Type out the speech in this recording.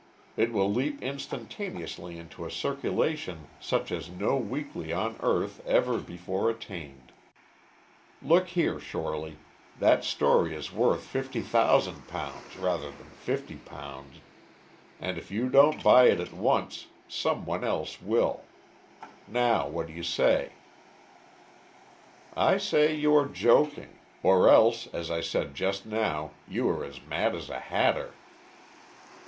It will leap instantaneously into a circulation such as no weekly on earth ever before attained. Look here, Shorely, that story is worth £50,000 rather than £50, and if you don't buy it at once, some one else will. Now, what do you say?" "I say you are joking, or else, as I said just now, you are as mad as a hatter."